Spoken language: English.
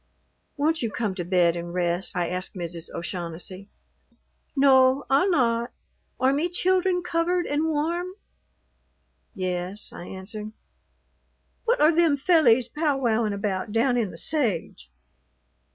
"Won't you come to bed and rest?" I asked Mrs. O'Shaughnessy. "No, I'll not. Are me children covered and warm?" "Yes," I answered. "What are them fellys pow wowing about down in the sage?"